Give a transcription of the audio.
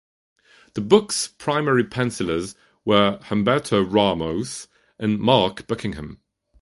The book's primary pencillers were Humberto Ramos and Mark Buckingham.